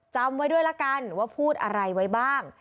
จำไว้ด้วยละกันว่าพูดอะไรไว้บ้าง